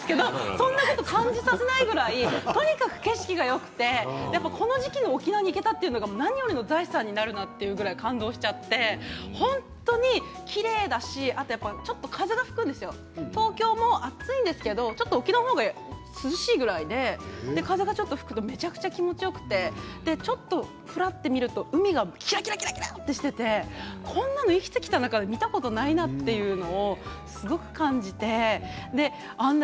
そんなことを感じさせないぐらいとにかく景色がよくてこの時期の沖縄に行けたというのは何よりの財産になるなというぐらい感動しちゃって本当にきれいだし風が吹くんですよ、東京も暑いんですけど沖縄の方が涼しいくらいで風がちょっと吹くとめちゃくちゃ気持ちよくてふらっと見ると海がキラキラとしていてこんなの生きてきた中で見たことないなというのをすごく感じてあんな